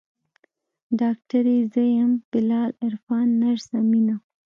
ډاکتر يې زه يم بلال عرفان نرسه مينه.